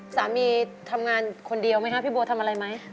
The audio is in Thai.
สามีทำงานคนเดียวไหมครับพี่บัวทำอะไรไหม